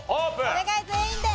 お願い全員で！